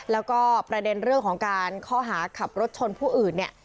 แล้วก็ประเด็นเรื่องของการข้อหาขับรถชนผู้อื่นเนี่ย